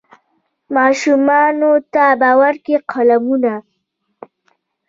ماشومانو ته به ورکړي قلمونه